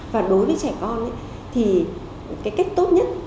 và đối với trẻ con thì cái cách tốt nhất